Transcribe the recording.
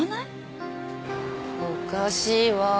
おかしいわ。